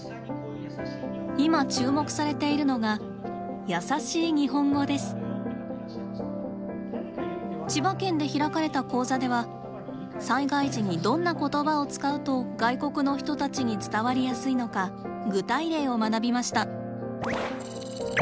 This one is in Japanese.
今注目されているのが千葉県で開かれた講座では災害時にどんな言葉を使うと外国の人たちに伝わりやすいのか具体例を学びました。